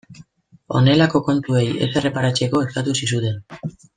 Honelako kontuei ez erreparatzeko eskatu zizuten.